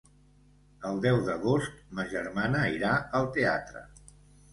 El deu d'agost ma germana irà al teatre.